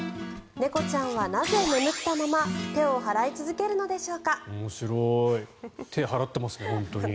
猫ちゃんは、なぜ眠ったまま手を払い続けるのでしょうか。